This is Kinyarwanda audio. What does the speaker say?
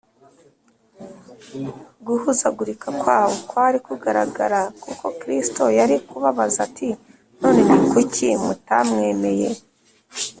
guhuzagurika kwabo kwari kugaragara kuko kristo yari kubabaza ati: ‘none ni kuki mutamwemeye?